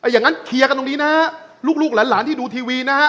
อย่างนั้นเคลียร์กันตรงนี้นะฮะลูกหลานที่ดูทีวีนะฮะ